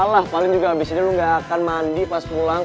alah paling juga abis ini lo gak akan mandi pas pulang